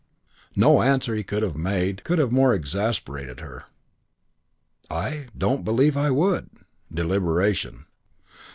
XII No answer he could have made could have more exasperated her. "I don't believe I would." Deliberation!